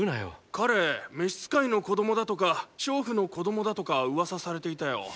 彼召し使いの子供だとか娼婦の子供だとか噂されていたよ。